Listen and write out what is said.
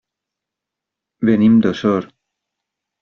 Venim d'Osor.